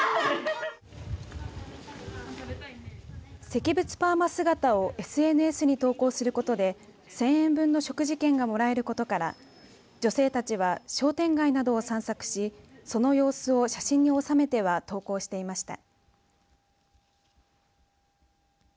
石仏パーマ姿をＳＮＳに投稿することで１０００円分の食事券がもらえることから女性たちは商店街などを散策しその様子を写真に収めては投稿していました。